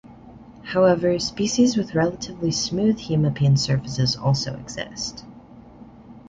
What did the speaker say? However, species with relatively smooth hemipene surfaces also exist.